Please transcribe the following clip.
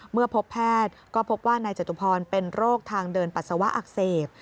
เมื่อพบแพทย์ก็พบว่านายจตุพรเป็นโรคทางเดินปัสสาวะอักเสบ